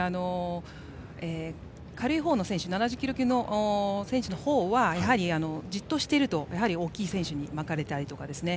軽いほうの選手７０キロ級の選手のほうはやはり、じっとしていると大きい選手に巻かれたりとかですね。